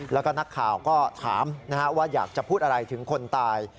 แล้วก็นักข่าวก็ถามว่าอยากจะพูดอะไรถึงคนตาย